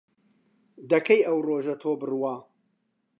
دەکەی ئەو ڕۆژە تۆ بڕوا